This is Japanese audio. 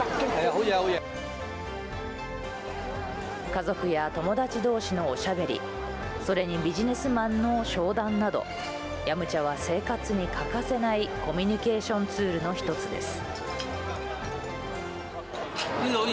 家族や友達同士のおしゃべりそれに、ビジネスマンの商談などヤムチャは生活に欠かせないコミュニケーションツールの１つです。